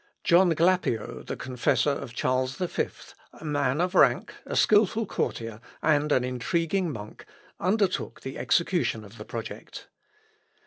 " John Glapio, the confessor of Charles V, a man of rank, a skilful courtier, and an intriguing monk, undertook the execution of the project.